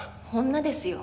女ですよ。